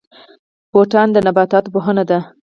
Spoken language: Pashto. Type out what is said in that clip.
بوټاني د نباتاتو پوهنه ده